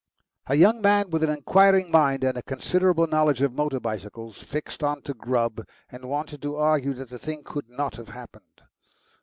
A young man with an inquiring mind and a considerable knowledge of motor bicycles fixed on to Grubb and wanted to argue that the thing could not have happened.